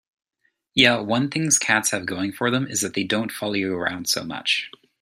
Yeah, one thing cats have going for them is that they don't follow you around so much.